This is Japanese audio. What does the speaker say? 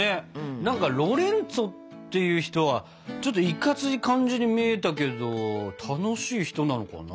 何かロレンツォっていう人はちょっといかつい感じに見えたけど楽しい人なのかな？